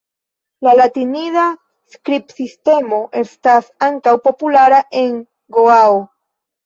La latinida skribsistemo estas ankaŭ populara en Goao.